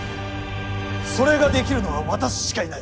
それができるのは私しかいない。